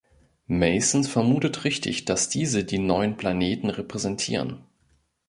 Mason vermutet richtig, dass diese die neun Planeten repräsentieren.